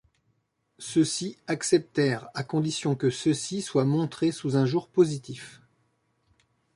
Ceux-ci acceptèrent à condition que ceux-ci soient montrés sous un jour positif.